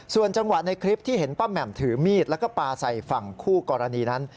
ส่วนจังหวะในคลิปที่เห็นป้าแหม่มถือมีดแล้วก็ปลาใส่ฝั่งคู่กรณีนั้น